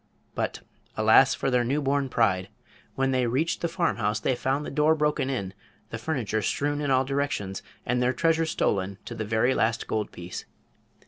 But, alas for their new born pride! when they reached the farmhouse they found the door broken in, the furniture strewn in all directions and their treasure stolen to the very last gold piece.